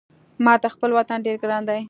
ماته خپل وطن ډېر ګران ده